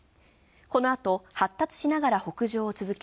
このあと発達しながら北上を続け